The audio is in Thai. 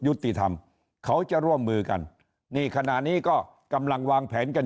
ยุติธรรมเขาจะร่วมมือกันนี่ขณะนี้ก็กำลังวางแผนกัน